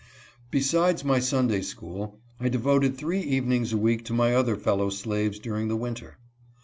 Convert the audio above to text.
Besides my Sunday school, I devoted three evenings a week to my other fellow slaves during the winter.